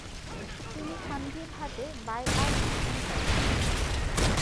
তিনি থানভীর হাতে বায়আত গ্রহণ করেন।